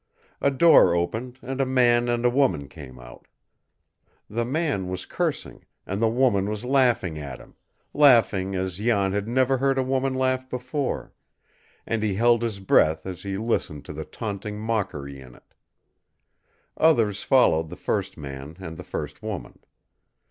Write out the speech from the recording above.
A door opened and a man and a woman came out. The man was cursing, and the woman was laughing at him laughing as Jan had never heard a woman laugh before, and he held his breath as he listened to the taunting mockery in it. Others followed the first man and the first woman.